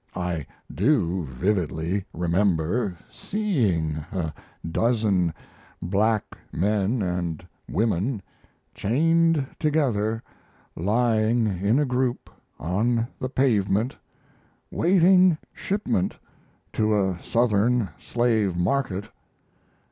I do vividly remember seeing a dozen black men and women chained together lying in a group on the pavement, waiting shipment to a Southern slave market.